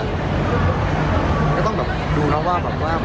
เราต้องดูเขาว่า